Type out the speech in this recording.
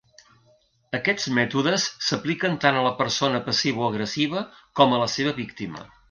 Aquests mètodes s'apliquen tant a la persona passivoagressiva com a la seva víctima.